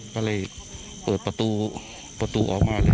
ก็เลยเปิดประตูประตูออกมา